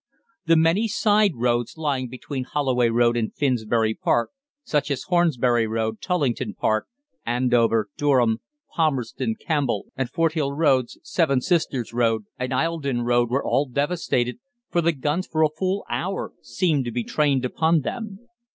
The many side roads lying between Holloway Road and Finsbury Park, such as Hornsey Road, Tollington Park, Andover, Durham, Palmerston, Campbell, and Forthill Roads, Seven Sisters Road, and Isledon Road were all devastated, for the guns for a full hour seemed to be trained upon them.